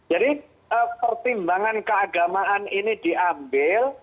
jadi pertimbangan keagamaan ini diambil